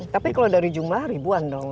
tapi kalau dari jumlah ribuan dong